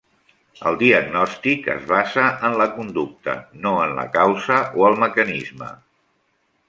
El diagnòstic es basa en la conducta, no en la causa o el mecanisme.